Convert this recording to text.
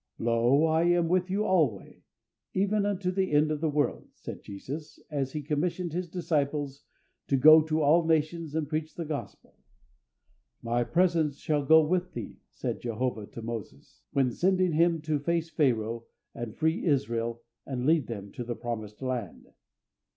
"Lo, I am with you alway, even unto the end of the world," said Jesus, as He commissioned His disciples to go to all nations and preach the Gospel. "My presence shall go with thee," said Jehovah to Moses, when sending him to face Pharaoh and free Israel, and lead them to the Promised Land.